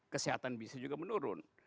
kesehatan bisa juga menurun